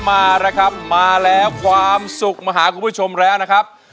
มาแล้วครับมาแล้วความสุขมาหาคุณผู้ชมแล้วนะครับ